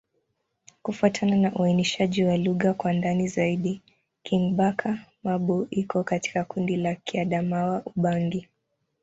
Kufuatana na uainishaji wa lugha kwa ndani zaidi, Kingbaka-Ma'bo iko katika kundi la Kiadamawa-Ubangi.